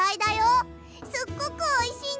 すっごくおいしいんだ。